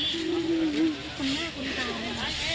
โชว์บ้านในพื้นที่เขารู้สึกยังไงกับเรื่องที่เกิดขึ้น